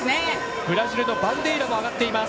ブラジルのバンデイラも上がっている。